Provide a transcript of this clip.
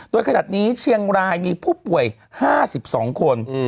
โดยขนาดนี้เชียงรายมีผู้ป่วย๕๒คน